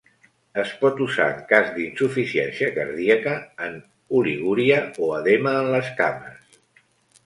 Es pot usar en cas d'insuficiència cardíaca, en oligúria o edema en les cames.